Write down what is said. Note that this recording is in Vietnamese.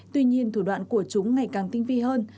tuy nhiên thủ đoạn của chúng ngày càng tinh vi hơn